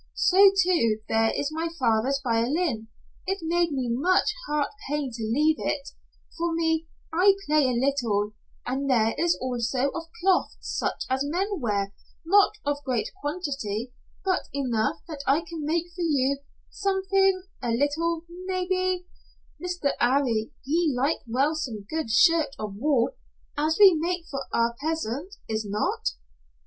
So, too, there is my father's violin. It made me much heart pain to leave it for me, I play a little, and there is also of cloth such as men wear not of great quantity but enough that I can make for you something a little maybe, Mr. 'Arry he like well some good shirt of wool as we make for our peasant Is not?"